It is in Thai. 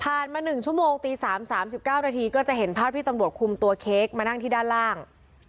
มา๑ชั่วโมงตี๓๓๙นาทีก็จะเห็นภาพที่ตำรวจคุมตัวเค้กมานั่งที่ด้านล่าง